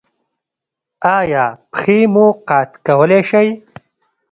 ایا پښې مو قات کولی شئ؟